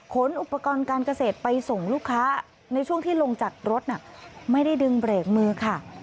ขนอุปกรณ์การเกษตรไปส่งลูกค้าในช่วงที่ลงจากรถน่ะไม่ได้ดึงเบรกมือค่ะ